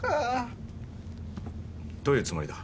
どういうつもりだ？